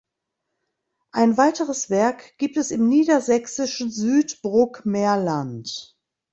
Ein weiteres Werk gibt es im niedersächsischen Südbrookmerland.